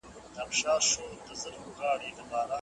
ایا د ونې لاندې دا سیوری به د ټولې غرمې لپاره بسنه وکړي؟